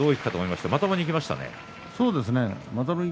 まともにいきましたね。